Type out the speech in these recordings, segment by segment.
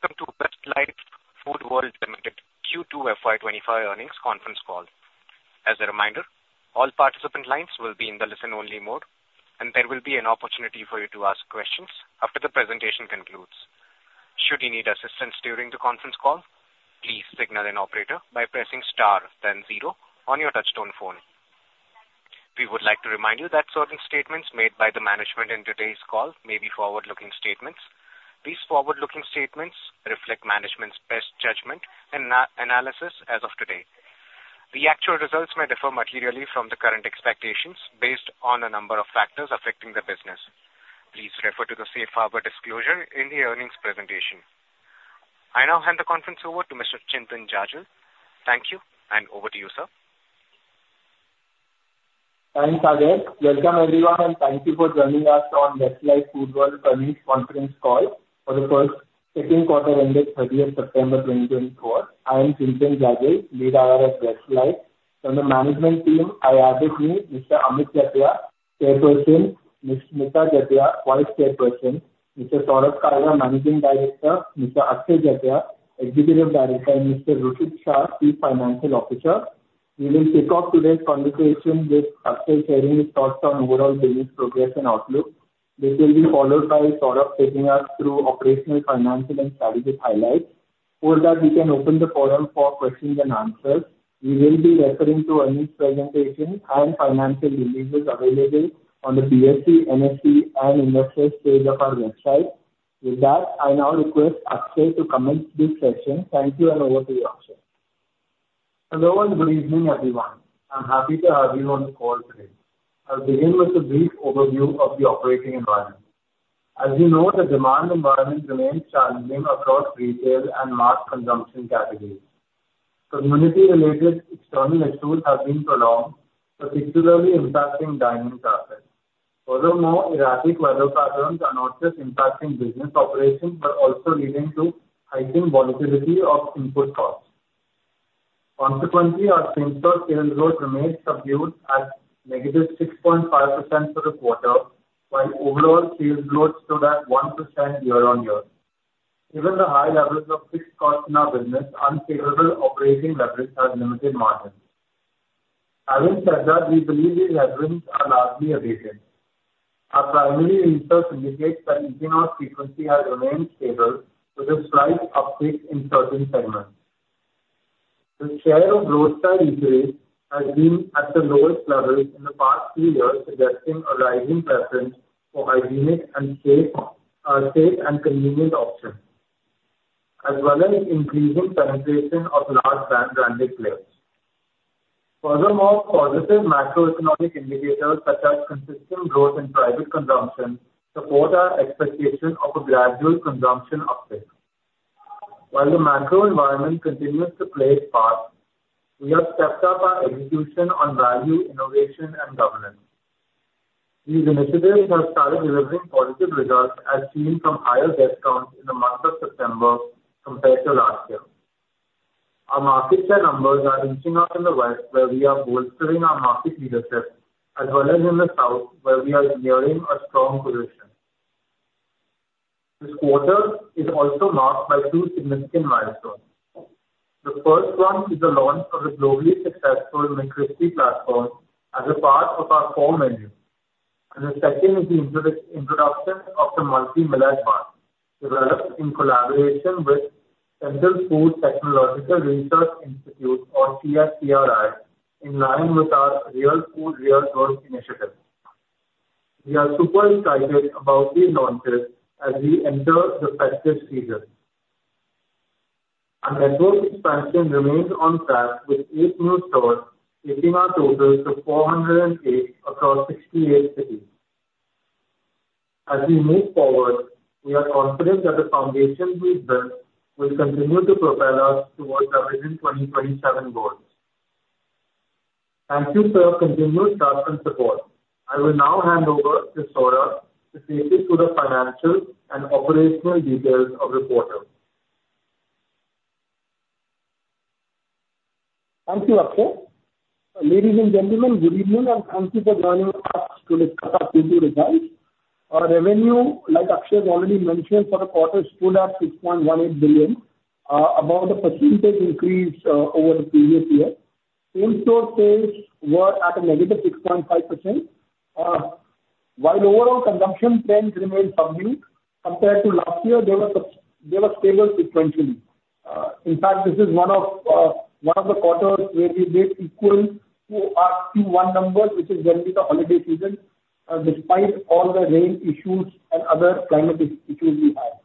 Good day, and welcome to Westlife Foodworld Limited Q2 FY2025 earnings conference Call. As a reminder, all participant lines will be in the listen-only mode, and there will be an opportunity for you to ask questions after the presentation concludes. Should you need assistance during the conference call, please signal an operator by pressing star then zero on your touchtone phone. We would like to remind you that certain statements made by the management in today's call may be forward-looking statements. These forward-looking statements reflect management's best judgment and analysis as of today. The actual results may differ materially from the current expectations based on a number of factors affecting the business. Please refer to the safe harbor disclosure in the earnings presentation. I now hand the conference over to Mr. Chintan Jajoo. Thank you, and over to you, sir. Thanks, Ajay. Welcome, everyone, and thank you for joining us on Westlife Foodworld Earnings Conference Call for the first, second quarter ended thirtieth September twenty twenty-four. I am Chintan Jajoo, lead analyst, Westlife. From the management team, I have with me Mr. Amit Jatia, Chairperson, Ms. Smita Jatia, Vice Chairperson, Mr. Saurabh Kalra, Managing Director, Mr. Akshay Jatia, Executive Director, and Mr. Rushik Shah, Chief Financial Officer. We will kick off today's conversation with Akshay sharing his thoughts on overall business progress and outlook. This will be followed by Saurabh taking us through operational, financial, and strategic highlights. For that, we can open the forum for questions and answers. We will be referring to earnings presentation and financial releases available on the BSE, NSE, and investors page of our website. With that, I now request Akshay to commence this session. Thank you, and over to you, Akshay. Hello, and good evening, everyone. I'm happy to have you on the call today. I'll begin with a brief overview of the operating environment. As you know, the demand environment remains challenging across retail and mass consumption categories. Community-related external issues have been prolonged, particularly impacting drive-thru traffic. Furthermore, erratic weather patterns are not just impacting business operations, but also leading to heightened volatility of input costs. Consequently, our same-store sales growth remains subdued at negative 6.5% for the quarter, while overall sales growth stood at 1% year-on-year. Given the high levels of fixed costs in our business, unfavorable operating leverage has limited margins. Having said that, we believe these headwinds are largely abated. Our primary research indicates that consumer frequency has remained stable with a slight uptick in certain segments. The share of roadside retail has been at the lowest levels in the past few years, suggesting a rising preference for hygienic and safe and convenient options, as well as increasing penetration of large brand, branded players. Furthermore, positive macroeconomic indicators, such as consistent growth in private consumption, support our expectation of a gradual consumption uptick. While the macro environment continues to play its part, we have stepped up our execution on value, innovation, and governance. These initiatives have started delivering positive results, as seen from higher guest counts in the month of September compared to last year. Our market share numbers are inching up in the West, where we are bolstering our market leadership, as well as in the South, where we are nearing a strong position. This quarter is also marked by two significant milestones. The first one is the launch of the globally successful McCrispy platform as a part of our core menu. The second is the introduction of the Multi Millet Bun, developed in collaboration with Central Food Technological Research Institute, or CFTRI, in line with our Real Food Real Good initiative. We are super excited about these launches as we enter the festive season. Our network expansion remains on track with eight new stores, taking our total to 408 across 68 cities. As we move forward, we are confident that the foundation we've built will continue to propel us towards our Vision 2027 goals. Thank you for your continuous trust and support. I will now hand over to Saurabh to take you through the financial and operational details of the quarter. Thank you, Akshay. Ladies and gentlemen, good evening, and thank you for joining us to discuss our Q2 results. Our revenue, like Akshay has already mentioned, for the quarter stood at 6.18 billion, about a percentage increase, over the previous year. Same-store sales were at a -6.5%. While overall consumption trends remained subdued compared to last year, they were stable sequentially. In fact, this is one of the quarters where we did equal to Q1 numbers, which is generally the holiday season, despite all the rain issues and other climate issues we had.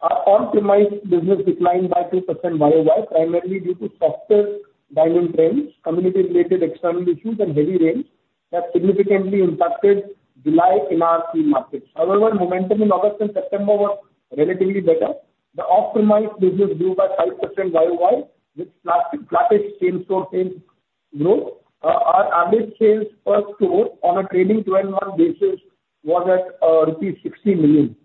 Our off-premise business declined by 2% YoY, primarily due to softer dine-in trends, community-related external issues, and heavy rains that significantly impacted July in our key markets. However, momentum in August and September was relatively better. The off-premise business grew by 5% YoY, with flat same-store sales growth. Our average sales per store on a trailing twelve-month basis was at rupees 60 million.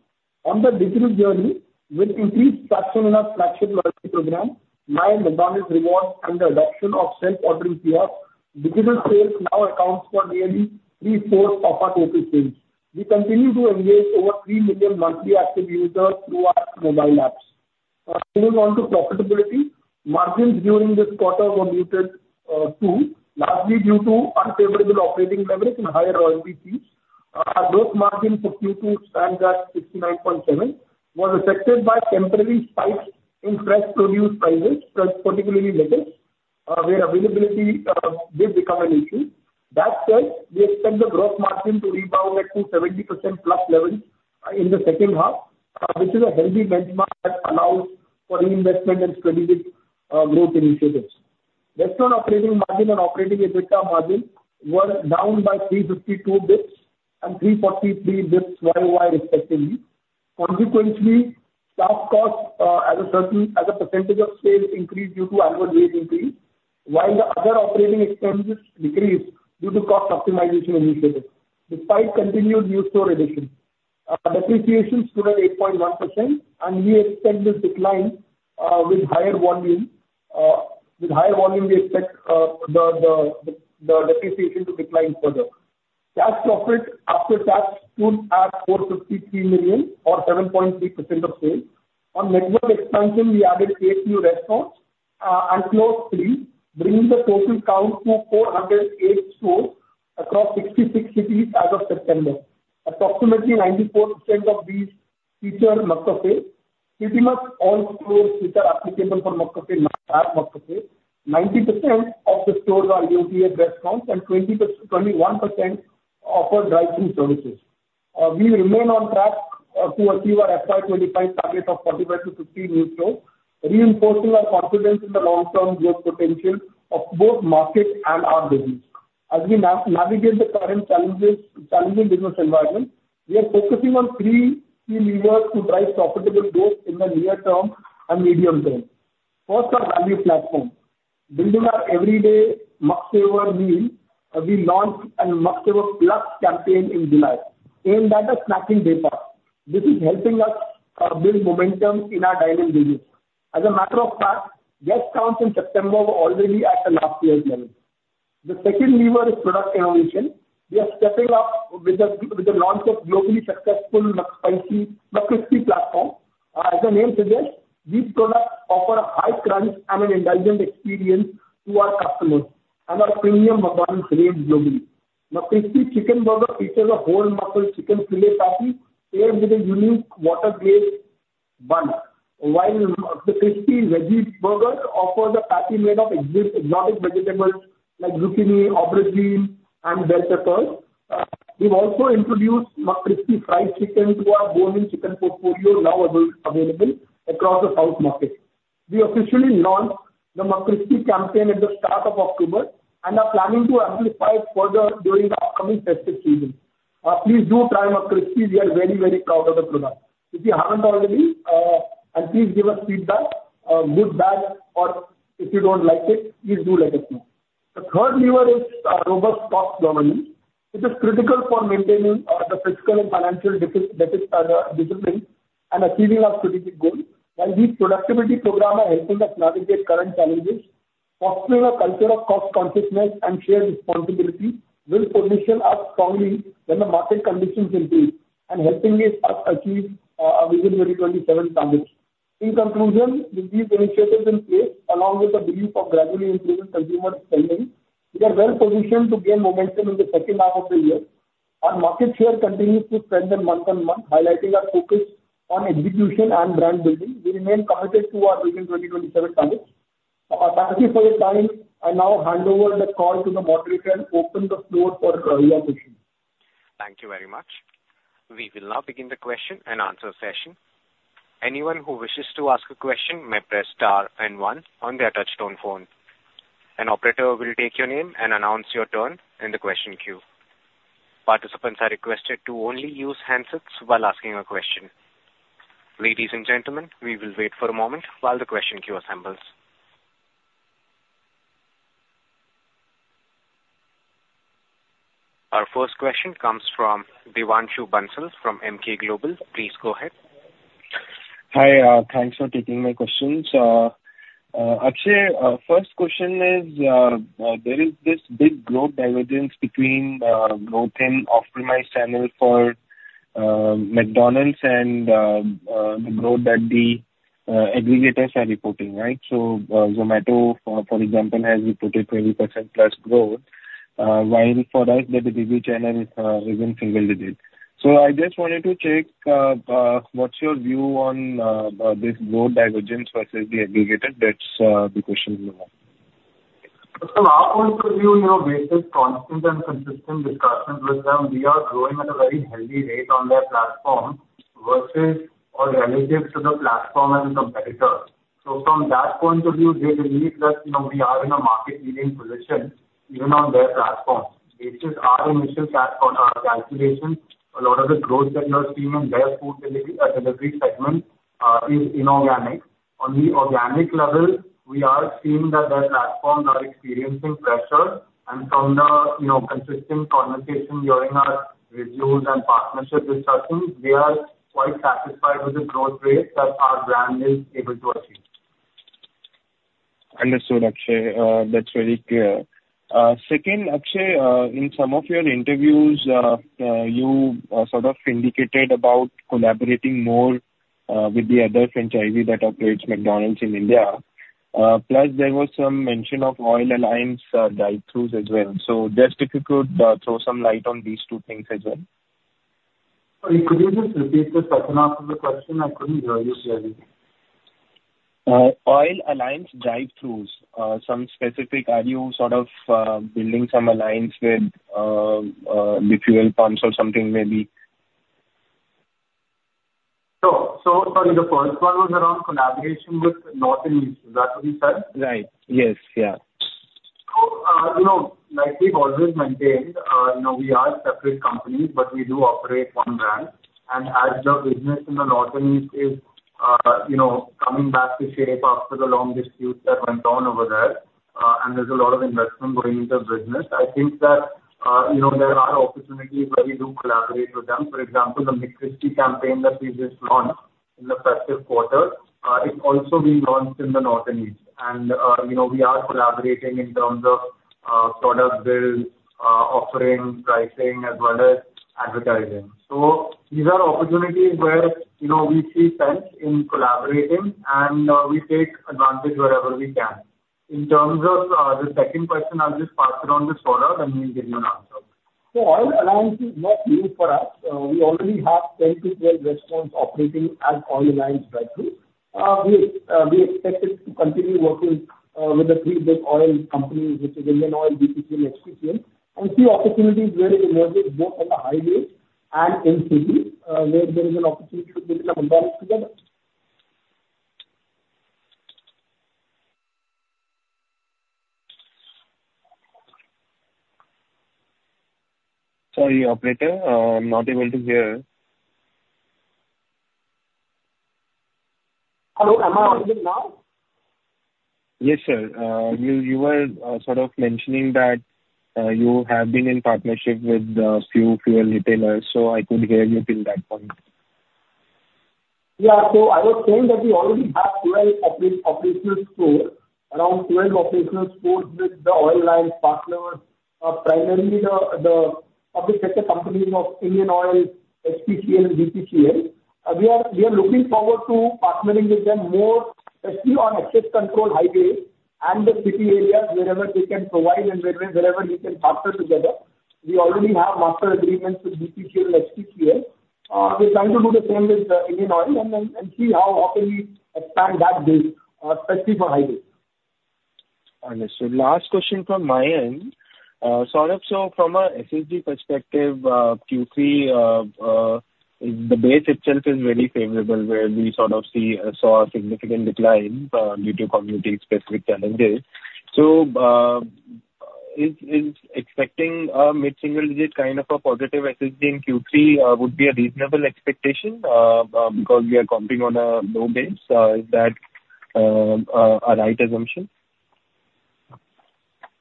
On the digital journey, with increased traction in our flagship loyalty program, My McDonald's Rewards, and the adoption of self-ordering kiosks. Digital sales now accounts for nearly three-fourths of our total sales. We continue to engage over 3 million monthly active users through our mobile apps. Moving on to profitability, margins during this quarter were muted, too, largely due to unfavorable operating leverage and higher royalty fees. Gross margin for Q2 stands at 69.7, was affected by temporary spikes in fresh produce prices, particularly lettuce, where availability did become an issue. That said, we expect the gross margin to rebound back to 70%+ levels in the second half, which is a healthy benchmark that allows for investment and strategic growth initiatives. Restaurant operating margin and operating EBITDA margin were down by 352 basis points and 343 basis points year-over-year, respectively. Consequently, staff costs as a percentage of sales increased due to annual wage increase, while the other operating expenses decreased due to cost optimization initiatives, despite continued new store additions. Depreciation stood at 8.1%, and we expect this to decline with higher volume. With higher volume, we expect the depreciation to decline further. Profit after tax stood at INR 453 million or 7.3% of sales. On network expansion, we added eight new restaurants and closed three, bringing the total count to 408 stores across 66 cities as of September. Approximately 94% of these feature McCafe. Pretty much all stores which are applicable for McCafe have McCafe. 90% of the stores are EOTF restaurants, and 21% offer Drive-Thru services. We remain on track to achieve our FY2025 target of 45-50 new stores, reinforcing our confidence in the long-term growth potential of both market and our business. As we navigate the current challenges, challenging business environment, we are focusing on three key levers to drive profitable growth in the near term and medium term. First, our value platform. Building on our everyday McSaver meal, we launched a McSaver Plus campaign in July, aimed at a snacking day part. This is helping us build momentum in our dine-in business. As a matter of fact, guest counts in September were already at the last year's level. The second lever is product innovation. We are stepping up with the launch of globally successful McSpicy, McCrispy platform. As the name suggests, these products offer a high crunch and an indulgent experience to our customers and are premium McDonald's range globally. McCrispy chicken burger features a whole muscle chicken filet patty paired with a unique water glaze bun, while the McCrispy veggie burger offers a patty made of exotic vegetables like zucchini, aubergine, and bell peppers. We've also introduced McCrispy fried chicken to our bone-in chicken portfolio, now available across the South market. We officially launched the McCrispy campaign at the start of October and are planning to amplify it further during the upcoming festive season. Please do try McCrispy. We are very, very proud of the product. If you haven't already, and please give us feedback, good, bad, or if you don't like it, please do let us know. The third lever is a robust cost discipline, which is critical for maintaining the fiscal and financial discipline and achieving our strategic goals. While these productivity program are helping us navigate current challenges, fostering a culture of cost consciousness and shared responsibility will position us strongly when the market conditions improve and helping us achieve our Vision 2027 targets. In conclusion, with these initiatives in place, along with the belief of gradually improving consumer spending, we are well positioned to gain momentum in the second half of the year. Our market share continues to strengthen month on month, highlighting our focus on execution and brand building. We remain committed to our Vision 2027 targets. Thank you for your time. I now hand over the call to the moderator and open the floor for Q&A session. Thank you very much. We will now begin the question and answer session. Anyone who wishes to ask a question may press star and one on their touchtone phone. An operator will take your name and announce your turn in the question queue. Participants are requested to only use handsets while asking a question. Ladies and gentlemen, we will wait for a moment while the question queue assembles. Our first question comes from Devanshu Bansal from Emkay Global. Please go ahead. Hi, thanks for taking my questions. Akshay, first question is, there is this big growth divergence between growth in optimized channel for McDonald's and the growth that the aggregators are reporting, right? So, Zomato, for example, has reported 20% plus growth, while for us the digital channel is in single digits. So I just wanted to check, what's your view on this growth divergence versus the aggregator? That's the question number one. From our point of view, you know, based on constant and consistent discussions with them, we are growing at a very healthy rate on their platform versus or relative to the platform and the competitors. So from that point of view, they believe that, you know, we are in a market leading position even on their platform. Based on our initial calculations, a lot of the growth that we're seeing in their food delivery segment is inorganic. On the organic level, we are seeing that their platforms are experiencing pressure, and from the, you know, consistent conversation during our reviews and partnership discussions, we are quite satisfied with the growth rate that our brand is able to achieve. ...Understood, Akshay. That's very clear. Second, Akshay, in some of your interviews, you sort of indicated about collaborating more with the other franchisee that operates McDonald's in India. Plus there was some mention of Oil Alliance drive-throughs as well. So just if you could throw some light on these two things as well. Could you just repeat the second half of the question? I couldn't hear you clearly. Oil Alliance drive-thrus. Are you sort of building some alliance with the fuel pumps or something maybe? So, the first one was around collaboration with North and East, is that what you said? Right. Yes. Yeah. So, you know, like we've always maintained, you know, we are separate companies, but we do operate one brand. And as the business in the North and East is, you know, coming back to shape after the long dispute that went on over there, and there's a lot of investment going into the business. I think that, you know, there are opportunities where we do collaborate with them. For example, the McCrispy campaign that we just launched in the festive quarter, it's also being launched in the North and East. And, you know, we are collaborating in terms of, product build, offering, pricing, as well as advertising. So these are opportunities where, you know, we see sense in collaborating, and, we take advantage wherever we can. In terms of, the second question, I'll just pass it on to Saurabh, and he'll give you an answer. So Oil Alliance is not new for us. We already have 10-12 restaurants operating as Oil Alliance drive-thru. We expected to continue working with the three big oil companies, which is Indian Oil, BPCL and HPCL, and see opportunities where it emerges both on the highway and in city, where there is an opportunity to build an alliance together. Sorry, operator, I'm not able to hear. Hello, am I audible now? Yes, sir. You were sort of mentioning that you have been in partnership with few fuel retailers, so I could hear you till that point. Yeah. So I was saying that we already have 12 operational stores, around 12 operational stores with the Oil Alliance partners, primarily the public sector companies of Indian Oil, HPCL and BPCL. We are looking forward to partnering with them more, especially on access controlled highways and the city areas, wherever we can provide and wherever we can partner together. We already have master agreements with BPCL and HPCL. We're trying to do the same with Indian Oil and see how often we expand that base, especially for highways. Understood. Last question from my end. Sort of, so from a SSSG perspective, Q3, the base itself is very favorable, where we sort of saw a significant decline due to COVID-specific challenges. So, is expecting a mid-single digit kind of a positive SSSG in Q3 would be a reasonable expectation? Because we are competing on a low base. Is that a right assumption?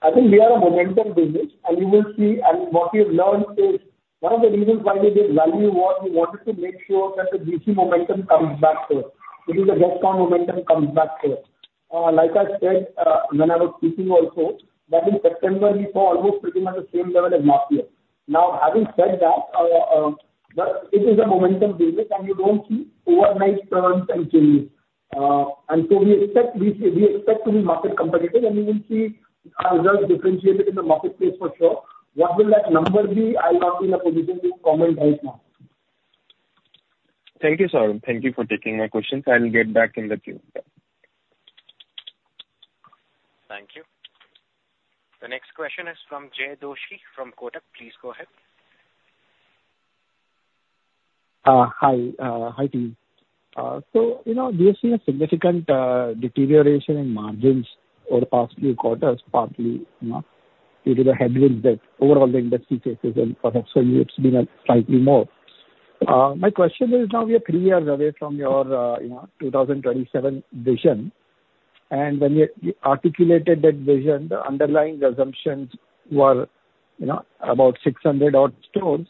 I think we are a momentum business, and you will see. What we have learned is, one of the reasons why we did Value War, we wanted to make sure that the GC momentum comes back here. It is the guest count momentum comes back here. Like I said, when I was speaking also, that in September we saw almost sitting on the same level as last year. Now, having said that, it is a momentum business, and you don't see overnight turns and changes. And so we expect, we see- we expect to be market competitive, and we will see our results differentiated in the marketplace for sure. What will that number be? I'm not in a position to comment right now. Thank you, sir. Thank you for taking my questions. I'll get back in the queue. Bye. Thank you. The next question is from Jay Doshi, from Kotak. Please go ahead. Hi. Hi, team. So, you know, we have seen a significant deterioration in margins over the past few quarters, partly, you know, due to the headwinds that overall the industry faces, and perhaps for you, it's been slightly more. My question is, now we are three years away from your, you know, 2027 vision. And when you articulated that vision, the underlying assumptions were, you know, about 600 odd stores,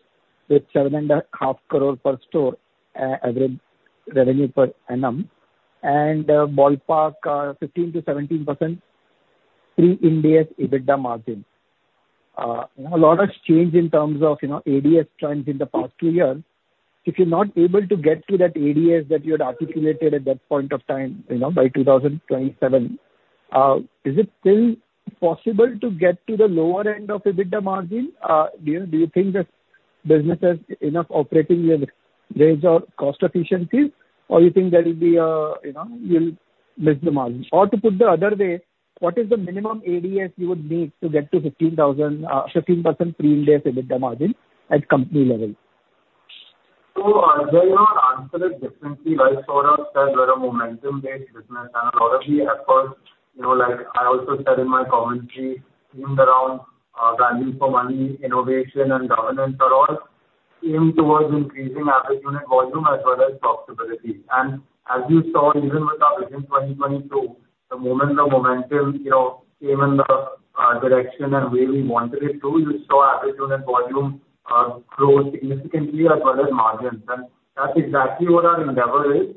with 7.5 crore per store, average revenue per annum, and ballpark, 15%-17% lower end EBITDA margin. A lot has changed in terms of, you know, AUV trends in the past two years. If you're not able to get to that ADS that you had articulated at that point of time, you know, by 2027, is it still possible to get to the lower end of EBITDA margin? Do you think that business has enough operating leverage or cost efficiencies, or you think there will be, you know, you'll miss the margin? Or to put the other way, what is the minimum ADS you would need to get to fifteen thousand, 15% pre-Ind AS EBITDA margin at company level? So, Jay, our answer is different, as said by Saurabh, that we're a momentum-based business, and a lot of the efforts, you know, like I also said in my commentary, themed around value for money, innovation and governance are all aimed towards increasing average unit volume as well as profitability. And as you saw, even with our Vision 2022, the moment the momentum, you know, came in the direction and way we wanted it to, you saw average unit volume-... grow significantly as well as margins, and that's exactly what our endeavor is,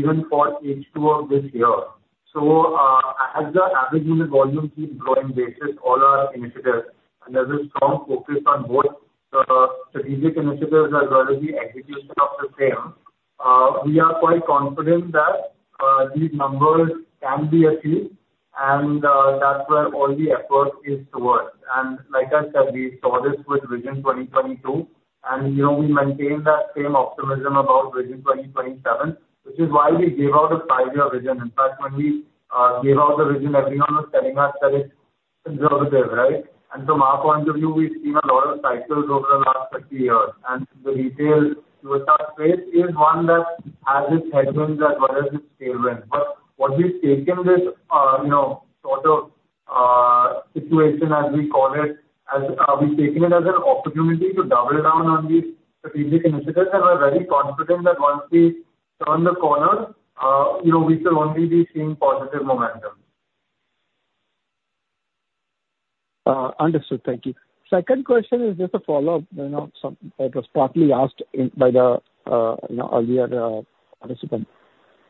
even for H2 of this year. So, as the average unit volume keeps growing basis all our initiatives, and there's a strong focus on both the strategic initiatives as well as the execution of the same, we are quite confident that these numbers can be achieved, and that's where all the effort is towards. And like I said, we saw this with Vision 2022, and, you know, we maintain that same optimism about Vision 2027, which is why we gave out a five-year vision. In fact, when we gave out the vision, everyone was telling us that it's conservative, right? And from our point of view, we've seen a lot of cycles over the last thirty years, and the retail startup space is one that has its headwinds as well as its tailwinds. But what we've taken this, you know, sort of, situation, as we call it, as, we've taken it as an opportunity to double down on the strategic initiatives, and we're very confident that once we turn the corner, you know, we shall only be seeing positive momentum. Understood. Thank you. Second question is just a follow-up, you know, some that was partly asked in by the, you know, earlier participant.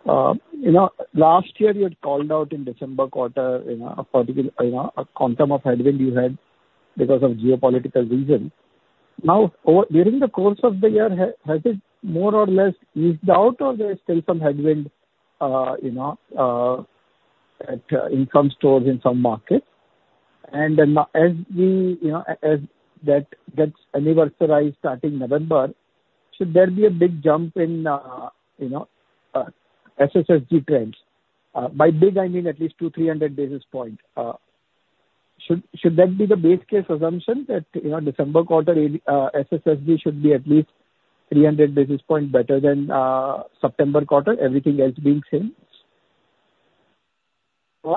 You know, last year you had called out in December quarter, you know, a particular, you know, a quantum of headwind you had because of geopolitical reasons. Now, over during the course of the year, has it more or less eased out, or there's still some headwind, you know, in some stores in some markets? And then now, as we, you know, as that gets anniversarized starting November, should there be a big jump in, you know, SSSG trends? By big, I mean at least 200, 300 basis points. Should that be the base case assumption that, you know, December quarter, SSSG should be at least 300 basis points better than, September quarter, everything else being same?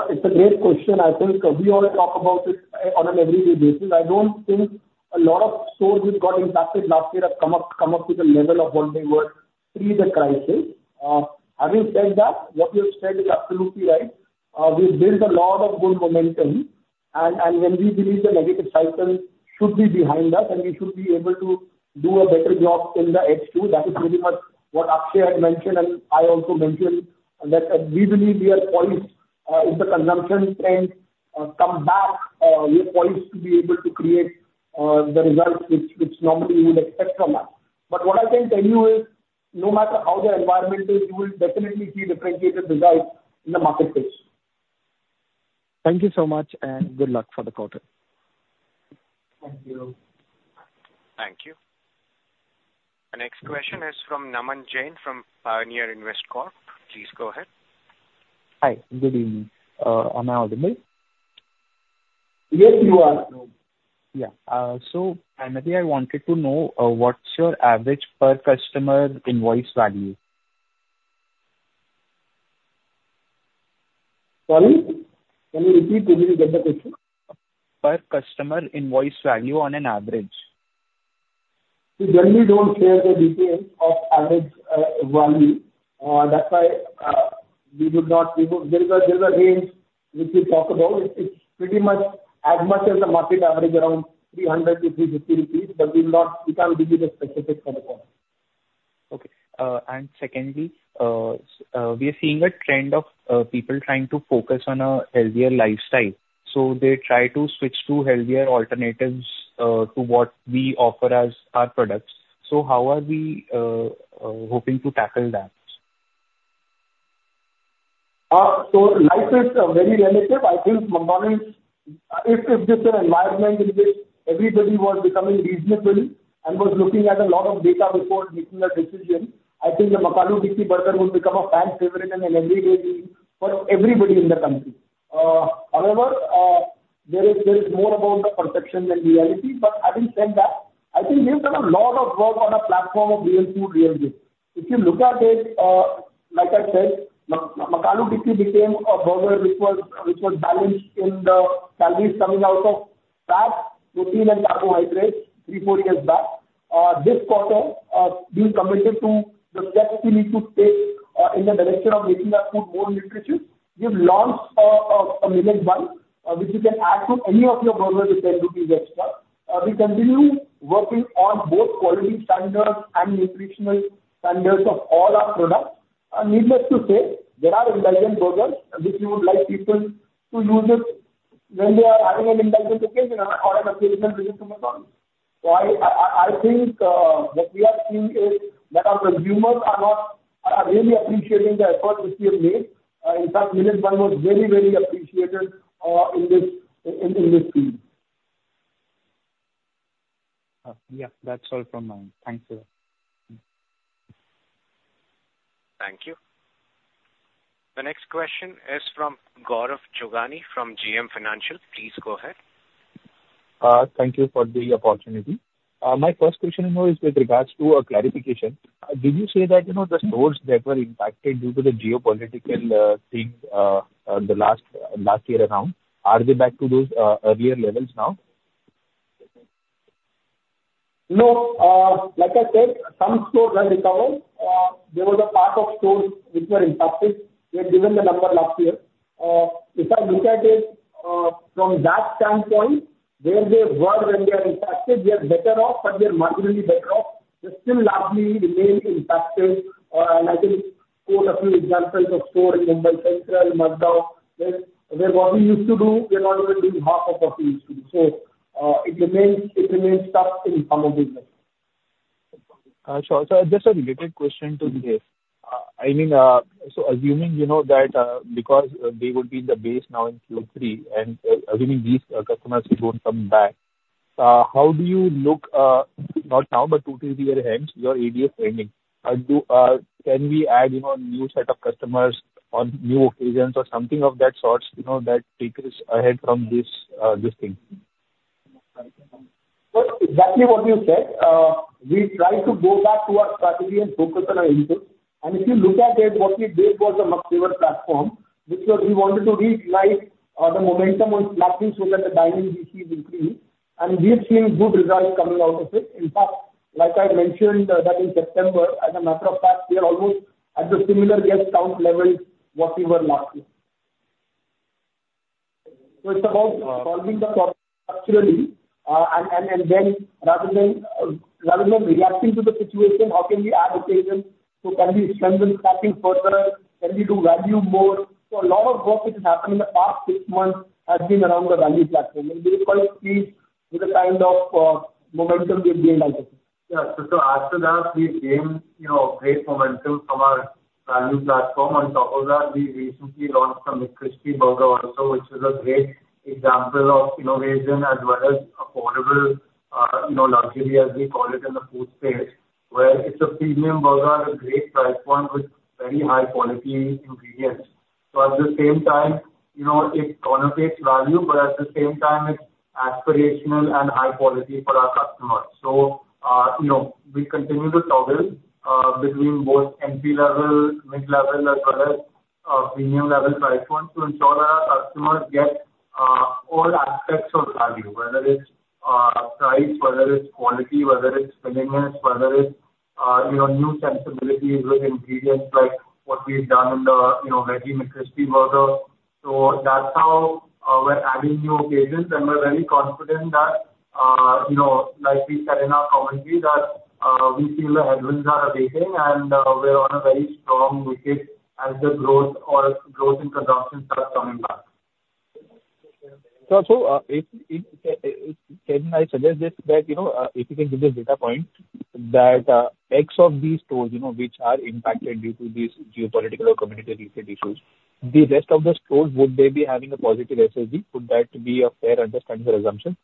It's a great question. I think we all talk about it on an everyday basis. I don't think a lot of stores which got impacted last year have come up with a level of what they were pre the crisis. Having said that, what you've said is absolutely right. We've built a lot of good momentum, and when we believe the negative cycle should be behind us, and we should be able to do a better job in the H2, that is pretty much what Akshay had mentioned, and I also mentioned that we believe we are poised, if the consumption trends come back, we are poised to be able to create the results which normally you would expect from us. But what I can tell you is, no matter how the environment is, you will definitely see differentiated results in the marketplace. Thank you so much, and good luck for the quarter. Thank you. Thank you. The next question is from Naman Jain, from Pioneer Investcorp. Please go ahead. Hi, good evening. Am I audible? Yes, you are. Yeah. So primarily I wanted to know, what's your average per customer invoice value? Sorry. Can you repeat please the question? Per customer invoice value on an average. We generally don't share the details of average value. That's why we would not give a... There's a range which we talk about. It's pretty much as much as the market average, around 300-350 rupees, but we'll not, we can't give you the specific kind of amount. Okay. And secondly, we are seeing a trend of people trying to focus on a healthier lifestyle, so they try to switch to healthier alternatives to what we offer as our products. So how are we hoping to tackle that? So life is very relative. I think Mumbai's, if this is an environment in which everybody was becoming reasonable and was looking at a lot of data before making a decision, I think a McAloo Tikki Burger would become a fan favorite and a healthy rating for everybody in the country. However, there is more about the perception than reality. But having said that, I think we've done a lot of work on the platform of Real Food Real Good. If you look at it, like I said, McAloo Tikki became a burger which was balanced in the calories coming out of fat, protein, and carbohydrates three, four years back. This quarter, we've committed to the steps we need to take, in the direction of making our food more nutritious. We've launched a millet bun, which you can add to any of your burgers at INR 10 extra. We continue working on both quality standards and nutritional standards of all our products. Needless to say, there are indulgent burgers which we would like people to use it when they are having an indulgent occasion or an occasional treat to move on. So I think what we are seeing is that our consumers are really appreciating the effort which we have made. In fact, millet bun was very, very appreciated in this field. Yeah, that's all from my end. Thank you. Thank you. The next question is from Gaurav Jogani from JM Financial. Please go ahead. Thank you for the opportunity. My first question, you know, is with regards to a clarification. Did you say that, you know, the stores that were impacted due to the geopolitical things, the last year around, are they back to those earlier levels now? No. Like I said, some stores have recovered. There were the part of stores which were impacted. We had given the number last year. If I look at it from that standpoint, where they were and they are impacted, they are better off, but they are marginally better off. They still largely remain impacted. And I can quote a few examples of stores in Mumbai Central, Madh Island, where what we used to do, we are not even doing half of what we used to. So, it remains tough in some of these ways. Sure, so just a related question to this. I mean, so assuming you know that, because they would be in the base now in Q3, and assuming these customers don't come back, how do you look, not now, but two, three years ahead, your AUVs trending? Can we add, you know, new set of customers on new occasions or something of that sort, you know, that takes us ahead from this thing? So exactly what you said. We try to go back to our strategy and focus on our input. And if you look at it, what we did was a McFlavor platform, which was we wanted to relight the momentum on snacking so that the dining we see will increase, and we've seen good results coming out of it. In fact, like I mentioned, that in September, as a matter of fact, we are almost at the similar guest count levels what we were last year. So it's about solving the problem structurally, and then rather than reacting to the situation, how can we add occasion? So can we strengthen snacking further? Can we do value more? So a lot of work which has happened in the past six months has been around the value platform, and we call it with the kind of momentum we have gained on it. Yeah. So after that, we gained, you know, great momentum from our value platform. On top of that, we recently launched the McCrispy burger also, which is a great example of innovation as well as affordable, you know, luxury, as we call it, in the food space, where it's a premium burger at a great price point with very high quality ingredients. So at the same time, you know, it's on a great value, but at the same time, it's aspirational and high quality for our customers. So, you know, we continue to toggle between both entry level, mid-level, as well as premium level price points to ensure our customers get all aspects of value, whether it's price, whether it's quality, whether it's convenience, whether it's you know, new sensibilities with ingredients like what we've done in the you know, veggie McCrispy burger. So that's how we're adding new occasions, and we're very confident that you know, like we said in our commentary, that we feel the headwinds are abating, and we're on a very strong wicket as the growth in consumption starts coming back. Can I suggest this, that you know, if you can give the data point that X of these stores, you know, which are impacted due to these geopolitical or competitive issues, the rest of the stores, would they be having a positive SSG? Could that be a fair understanding or assumption?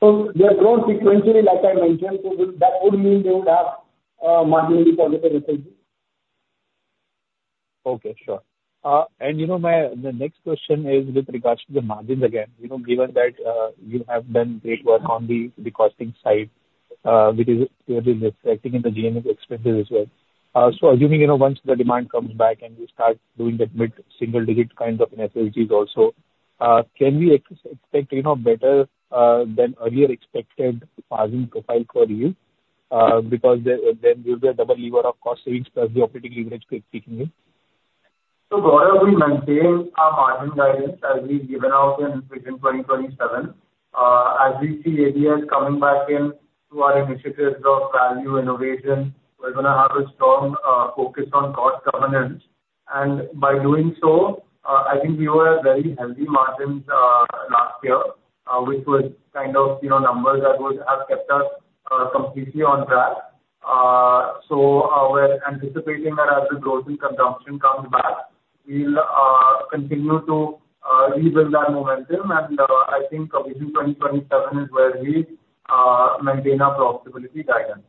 So they have grown sequentially, like I mentioned, so that would mean they would have a marginally positive SSG. Okay, sure. And you know, my, the next question is with regards to the margins again. You know, given that, you have done great work on the recosting side, which is clearly reflecting in the G&A expenses as well. So assuming, you know, once the demand comes back and you start doing that mid-single digit kinds of SSGs also, can we expect, you know, better, than earlier expected margin profile for you? Because there, then there's a double lever of cost savings plus the operating leverage quickly coming in. Gaurav, we maintain our margin guidance as we've given out in Vision 2027. As we see ADAs coming back into our initiatives of value innovation, we're gonna have a strong focus on cost governance. By doing so, I think we were very healthy margins last year, which was kind of, you know, numbers that would have kept us completely on track. We're anticipating that as the growth in consumption comes back, we'll continue to rebuild our momentum. I think Vision 2027 is where we maintain our profitability guidance.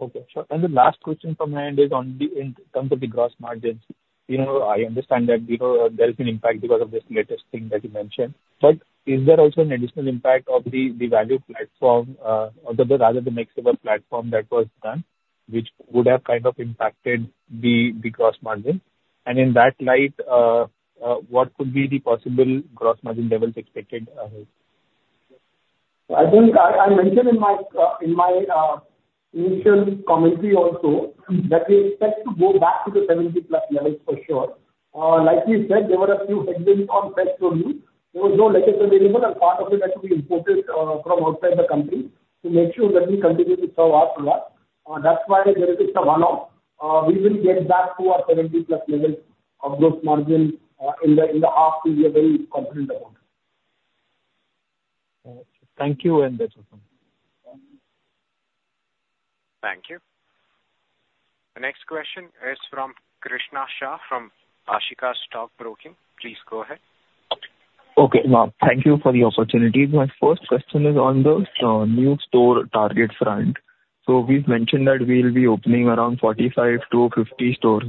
Okay, sure. And the last question from my end is on the in terms of the gross margins. You know, I understand that, you know, there's been impact because of this latest thing that you mentioned, but is there also an additional impact of the value platform or rather the next level platform that was done, which would have kind of impacted the gross margin? And in that light, what could be the possible gross margin levels expected ahead? I think I mentioned in my initial commentary also that we expect to go back to the seventy plus levels for sure. Like we said, there were a few headwinds on fresh volume. There was no lettuce available, and part of it had to be imported from outside the country to make sure that we continue to serve our product. That's why there is a one-off. We will get back to our seventy plus level of gross margin in the half, we are very confident about it. Thank you, very thank you. Thank you. The next question is from Krishna Shah, from Ashika Stock Broking. Please go ahead. Okay, ma'am, thank you for the opportunity. My first question is on the new store target front. So we've mentioned that we'll be opening around forty-five to fifty stores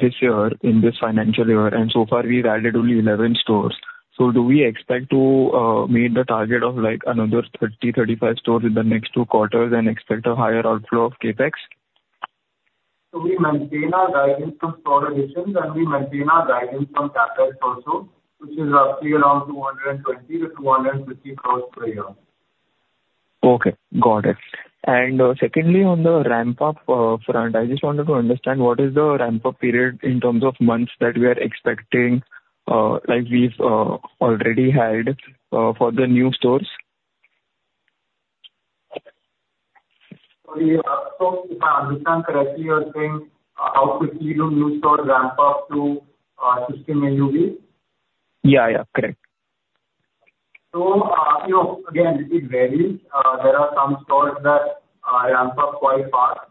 this year in this financial year, and so far, we've added only eleven stores. So do we expect to meet the target of, like, another thirty, thirty-five stores in the next two quarters and expect a higher outflow of CapEx?... So we maintain our guidance from store additions, and we maintain our guidance from CapEx also, which is roughly around 220-250 crores per year. Okay, got it. And, secondly, on the ramp up front, I just wanted to understand what is the ramp-up period in terms of months that we are expecting, like we've already had, for the new stores? If I understand correctly, you're saying, how quickly do new stores ramp up to system AUV? Yeah, yeah, correct. So, you know, again, it varies. There are some stores that ramp up quite fast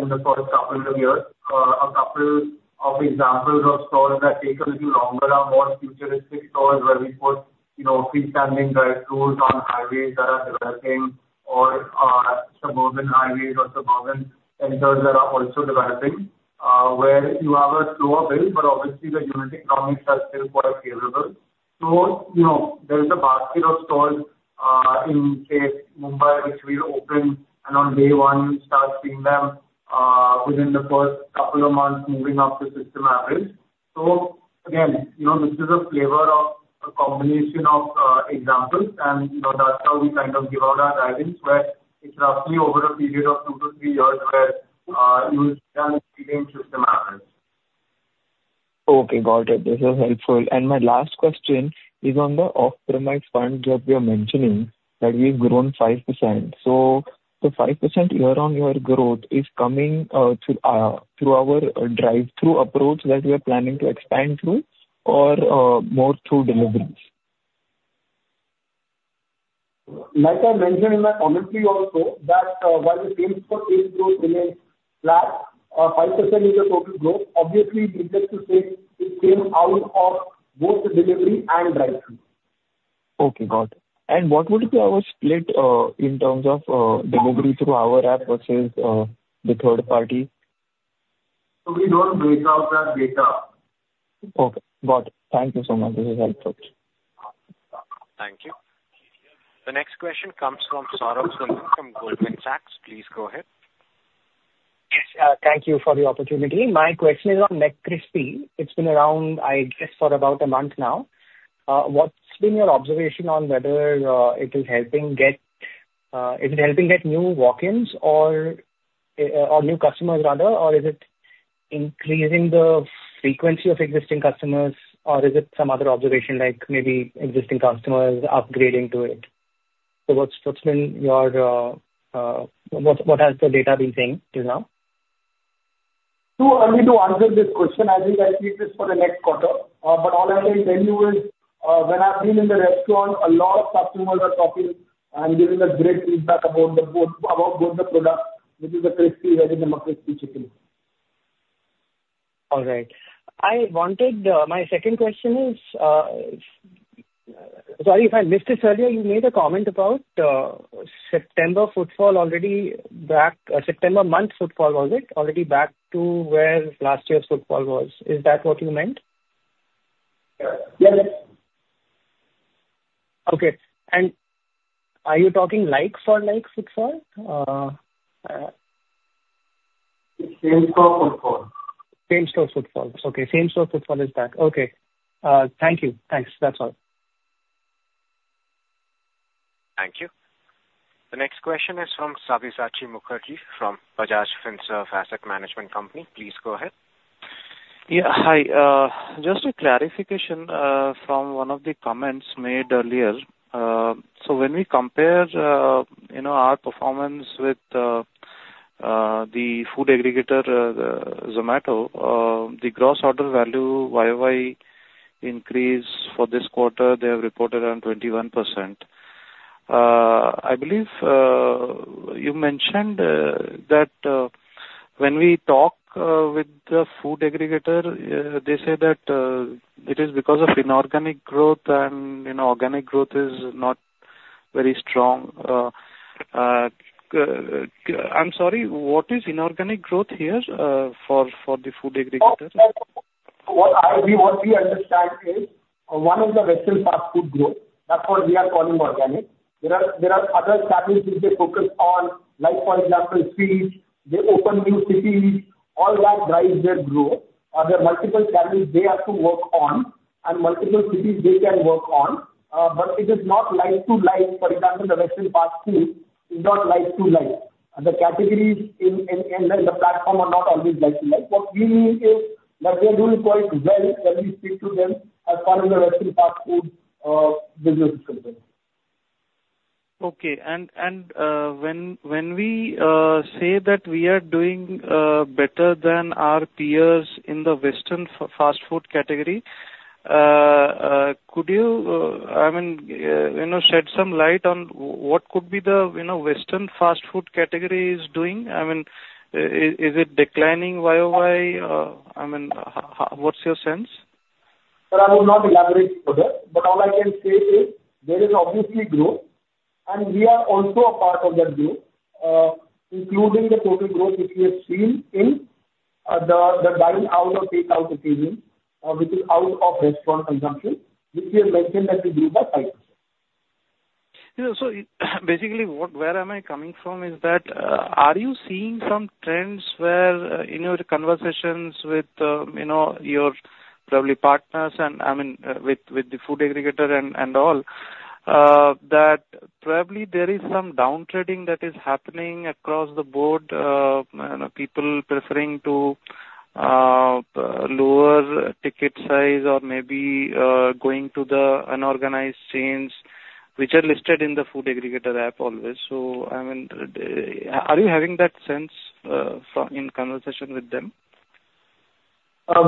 in the course of couple of years. A couple of examples of stores that take a little longer are more futuristic stores, where we put, you know, freestanding drive-throughs on highways that are developing or suburban highways or suburban centers that are also developing, where you have a slower build, but obviously the unit economics are still quite favorable. So, you know, there is a basket of stores in, say, Mumbai, which we've opened, and on day one you start seeing them within the first couple of months moving up to system average. So again, you know, this is a flavor of a combination of examples, and you know, that's how we kind of give out our guidance, where it's roughly over a period of two to three years, where you can see system average. Okay, got it. This is helpful. And my last question is on the off-premise front, where we are mentioning that we've grown 5%. So the 5% year-on-year growth is coming through our drive-thru approach that we are planning to expand through, or more through delivery? Like I mentioned in my commentary also, that while the same-store sales growth remains flat, 5% is the total growth. Obviously, needless to say, it came out of both delivery and drive-thru. Okay, got it. And what would be our split, in terms of, delivery through our app versus, the third party? So we don't break out that data. Okay, got it. Thank you so much. This is helpful. Thank you. The next question comes from Saurabh Sinha from Goldman Sachs. Please go ahead. Yes, thank you for the opportunity. My question is on McCrispy. It's been around, I guess, for about a month now. What's been your observation on whether it is helping get new walk-ins or new customers, rather? Or is it increasing the frequency of existing customers? Or is it some other observation, like maybe existing customers upgrading to it? So what has the data been saying till now? Too early to answer this question. I think I'll keep this for the next quarter. But all I can tell you is, when I've been in the restaurant, a lot of customers are talking and giving a great feedback about the food, about both the products, which is the crispy and the McCrispy chicken. All right. I wanted... My second question is, sorry if I missed this earlier, you made a comment about, September footfall already back, September month footfall, was it, already back to where last year's footfall was. Is that what you meant? Yes. Okay. And are you talking like-for-like footfall? Same-store footfall. Same-store footfall. Okay, same-store footfall is back. Okay, thank you. Thanks. That's all. Thank you. The next question is from Sabyasachi Mukerji from Bajaj Finserv Asset Management Company. Please go ahead. Yeah, hi. Just a clarification from one of the comments made earlier. So when we compare, you know, our performance with the food aggregator, Zomato, the gross order value YoY increase for this quarter, they have reported around 21%. I believe you mentioned that when we talk with the food aggregator, they say that it is because of inorganic growth and, you know, organic growth is not very strong. I'm sorry, what is inorganic growth here for the food aggregator? What we understand is, one is the western fast food growth. That's what we are calling organic. There are other categories which they focus on, like, for example, cities, they open new cities. All that drives their growth. There are multiple categories they have to work on and multiple cities they can work on, but it is not like-to-like. For example, the western fast food is not like-to-like. The categories in the platform are not always like-to-like. What we mean is that we are doing quite well when we speak to them as far as the western fast food business is concerned. Okay. And when we say that we are doing better than our peers in the western fast food category, could you, I mean, you know, shed some light on what could be the, you know, western fast food category is doing? I mean, is it declining YoY? I mean, how, what's your sense? Sir, I will not elaborate further, but all I can say is there is obviously growth, and we are also a part of that growth, including the total growth which we have seen in the dining out or take-out occasion, which is out-of-restaurant consumption, which we have mentioned that we grew by 5%.... You know, so basically, what, where am I coming from is that, are you seeing some trends where, in your conversations with, you know, your probably partners and, I mean, with the food aggregator and all, that probably there is some downtrading that is happening across the board, you know, people preferring to lower ticket size or maybe going to the unorganized chains which are listed in the food aggregator app always. So I mean, are you having that sense from conversations with them?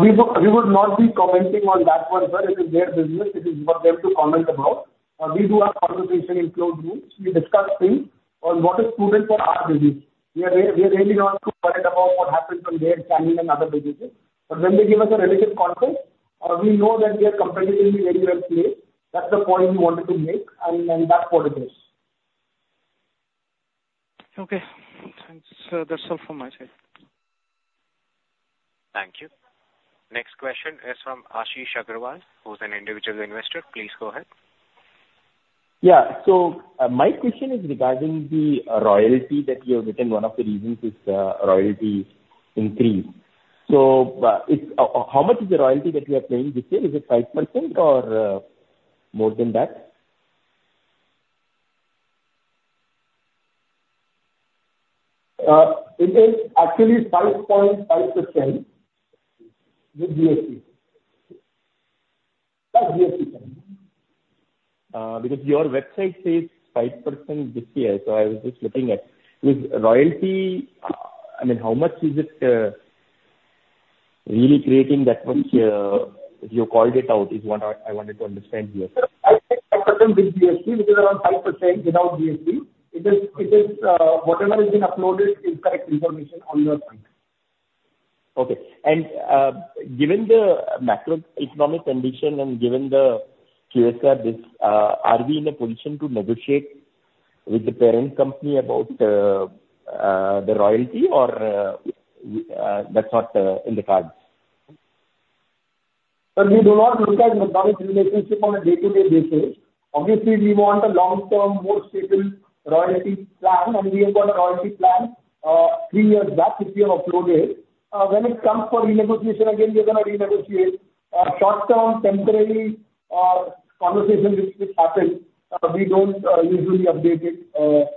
We would not be commenting on that one, sir. It is their business. It is for them to comment about. We do have conversation in closed rooms. We discuss things on what is prudent for our business. We are really not too worried about what happens on their timing and other businesses. But when they give us a relative confidence or we know that we are competitively very well placed, that's the point we wanted to make and that's what it is. Okay, thanks. So that's all from my side. Thank you. Next question is from Ashish Agarwal, who's an individual investor. Please go ahead. Yeah. So, my question is regarding the royalty that you have written. One of the reasons is royalty increase. So, it's... How much is the royalty that you are paying this year? Is it 5% or more than that? It is actually 5.5% with GST. Plus GST. Because your website says 5% this year, so I was just looking at. Is royalty, I mean, how much is it, really creating that much, you called it out, is what I wanted to understand here? Sir, 5.5% with GST, which is around 5% without GST. It is, whatever has been uploaded is correct information on your point. Okay. And, given the macroeconomic condition and given the QSR this, are we in a position to negotiate with the parent company about the royalty, or that's not in the cards? So we do not look at our marriage relationship on a day-to-day basis. Obviously, we want a long-term, more stable royalty plan, and we have got a royalty plan, three years back, which we have uploaded. When it comes for renegotiation, again, we're gonna renegotiate. Short-term, temporarily, conversation which happens, we don't usually update it,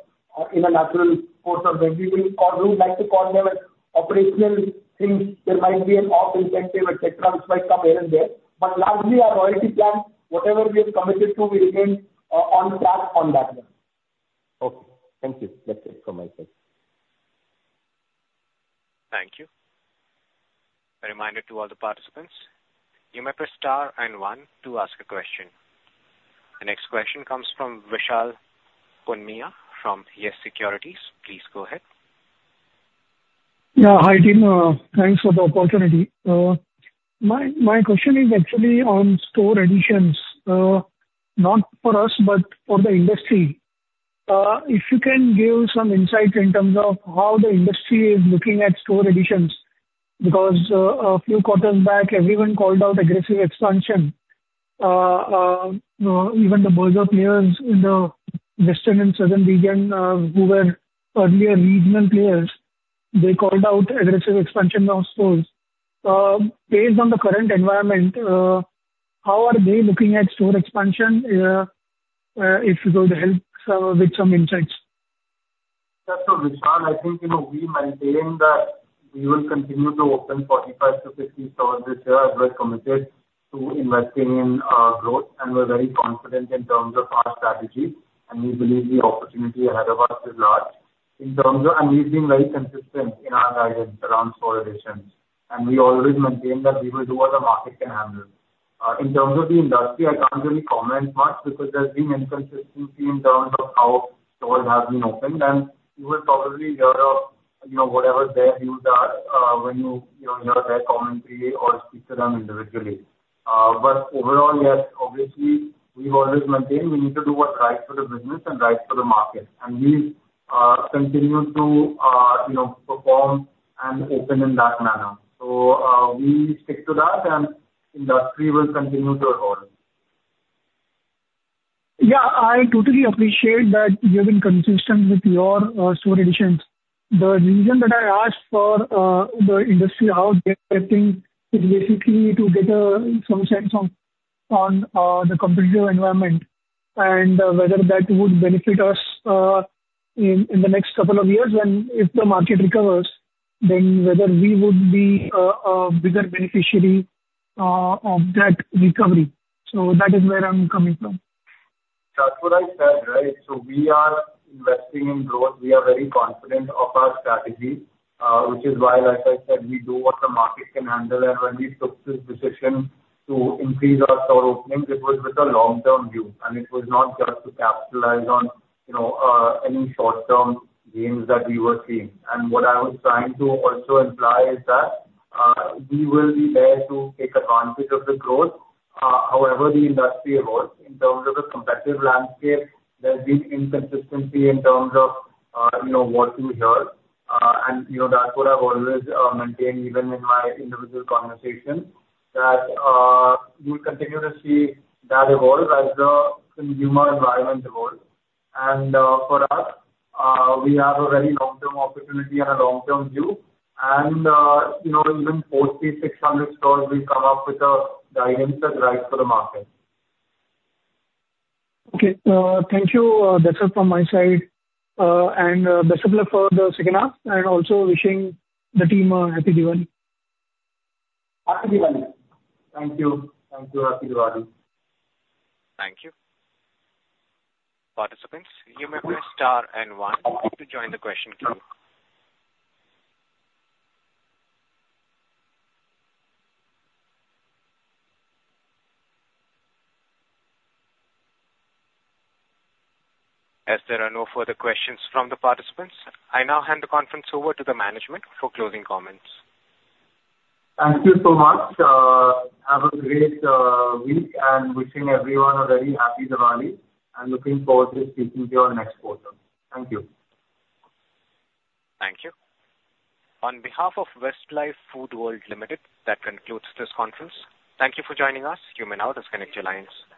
in a natural course of when we will, or we would like to call them as operational things. There might be an off incentive, et cetera, which might come here and there. But largely, our royalty plan, whatever we have committed to, we remain on track on that one. Okay. Thank you. That's it from my side. Thank you. A reminder to all the participants, you may press star and one to ask a question. The next question comes from Vishal Punmiya from YES Securities. Please go ahead. Yeah. Hi, team. Thanks for the opportunity. My question is actually on store additions. Not for us, but for the industry. If you can give some insight in terms of how the industry is looking at store additions, because a few quarters back, everyone called out aggressive expansion. Even the larger players in the western and southern region, who were earlier regional players, they called out aggressive expansion of stores. Based on the current environment, how are they looking at store expansion? If you could help with some insights. Yeah. So, Vishal, I think, you know, we maintain that we will continue to open 45-50 stores this year, as we're committed to investing in growth, and we're very confident in terms of our strategy, and we believe the opportunity ahead of us is large. In terms of... And we've been very consistent in our guidance around store additions, and we always maintain that we will do what the market can handle. In terms of the industry, I can't really comment much, because there's been inconsistency in terms of how stores have been opened. And you will probably hear of, you know, whatever their views are, when you, you know, hear their commentary or speak to them individually. But overall, yes, obviously, we've always maintained we need to do what's right for the business and right for the market, and we continue to, you know, perform and open in that manner. So, we stick to that, and industry will continue to evolve. Yeah, I totally appreciate that you have been consistent with your store additions. The reason that I asked for the industry, how they're getting, is basically to get some sense on the competitive environment and whether that would benefit us in the next couple of years when, if the market recovers, then whether we would be a bigger beneficiary of that recovery. So that is where I'm coming from. That's what I said, right? So we are investing in growth. We are very confident of our strategy, which is why, like I said, we do what the market can handle. And when we took this decision to increase our store openings, it was with a long-term view, and it was not just to capitalize on, you know, any short-term gains that we were seeing. And what I was trying to also imply is that, we will be there to take advantage of the growth, however, the industry evolves. In terms of the competitive landscape, there's been inconsistency in terms of, you know, what you hear. And, you know, that's what I've always maintained, even in my individual conversations, that, we'll continue to see that evolve as the consumer environment evolves. For us, we have a very long-term opportunity and a long-term view. You know, even 40-600 stores, we've come up with a guidance that's right for the market. Okay. Thank you. That's all from my side, and best of luck for the second half, and also wishing the team a happy Diwali. Happy Diwali. Thank you. Thank you. Happy Diwali. Thank you. Participants, you may press star and one to join the question queue. As there are no further questions from the participants, I now hand the conference over to the management for closing comments. Thank you so much. Have a great week, and wishing everyone a very happy Diwali, and looking forward to speaking to you on next quarter. Thank you. Thank you. On behalf of Westlife Foodworld Limited, that concludes this conference. Thank you for joining us. You may now disconnect your lines.